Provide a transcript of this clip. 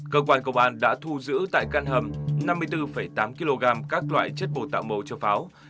cơ quan công an đã thu giữ tại căn hầm năm mươi bốn tám kg các loại chất bồ tạo màu cho pháo